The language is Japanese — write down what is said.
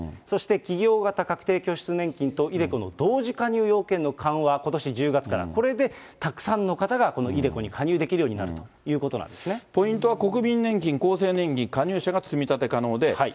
そして企業型確定拠出年金とｉＤｅＣｏの同時加入要件の緩和はことし１０月から、これでたくさんの方がこのｉＤｅＣｏに加入できるようになるといポイントは国民年金、厚生年金加入者が積み立て可能で。